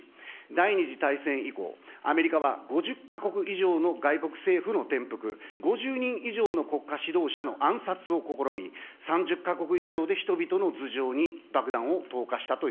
第２次大戦以降、アメリカは５０か国以上の外国政府の転覆、５０人以上の国家指導者の暗殺を試み、３０か国以上で人々の頭上に爆弾を投下したと。